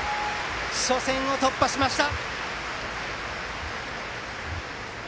初戦を突破しました。